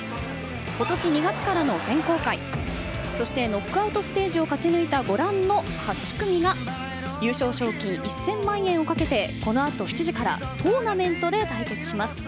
今年２月からの選考会そしてノックアウトステージを勝ち抜いた、ご覧の８組が優勝賞金１０００万円をかけてこの後、７時からトーナメントで対決します。